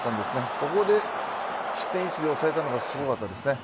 ここで失点１に抑えたのがすごかったです。